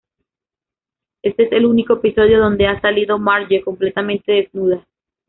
Este es el único episodio donde ha salido Marge completamente desnuda.